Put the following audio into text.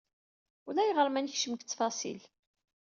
Ulayɣer ma nekcem deg ttfaṣil.